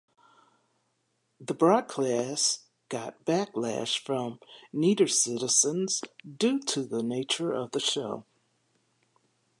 The broadcast got backlash from netizens due to the nature of the show.